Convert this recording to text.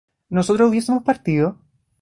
¿nosotros hubiésemos partido?